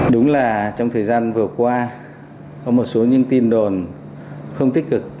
đúng là trong thời gian vừa qua có một số những tin đồn không tích cực